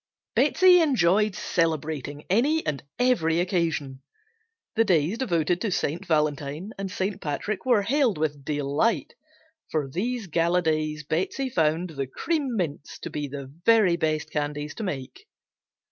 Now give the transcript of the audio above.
Betsey enjoyed celebrating any and every occasion. The days devoted to St. Valentine and St. Patrick were hailed with delight. For these gala days Betsey found the "Cream Mints" to be the very best candies to make.